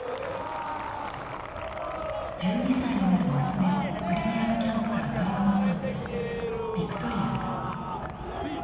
１２歳になる娘をクリミアのキャンプから取り戻そうとしたヴィクトリアさん。